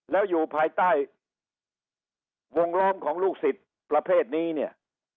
แล้วอยู่ภายใต้วงล้อมของลูกศิษย์ประเภทนี้เนี่ย